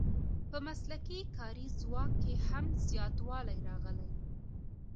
په مسلکي کاري ځواک کې هم زیاتوالی راغلی.